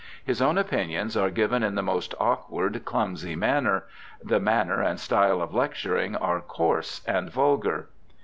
His own opinions are given in the most awkward, 2o6 BIOGRAPHICAL ESSAYS clumsy manner; the manner and style of lecturing are coarse and vulgar.'